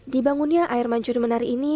dibangunnya air mancur menari ini